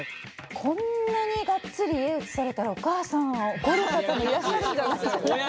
こんなにがっつり家映されたらお母さん怒る方もいらっしゃるんじゃない。